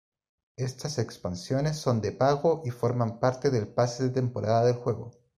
Estas expansiones son de pago y forman parte del pase de temporada del juego.